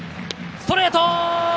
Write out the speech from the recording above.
ストレート！